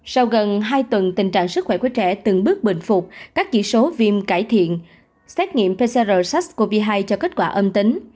sau gần hai tuần tình trạng sức khỏe của trẻ từng bước bình phục các chỉ số viêm cải thiện xét nghiệm pcr sars cov hai cho kết quả âm tính